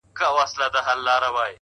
غوږ سه راته،